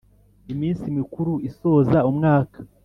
iminsi mikuru isoza umwaka